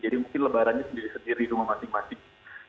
jadi mungkin lebarannya sendiri sendiri di rumah masing masing